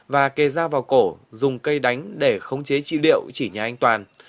và kề ra vào cổ dùng cây đánh để khống chế chị liệu chỉ nhà anh toàn